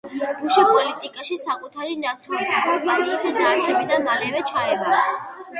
ბუში პოლიტიკაში საკუთარი ნავთობკომპანიის დაარსებიდან მალევე ჩაება.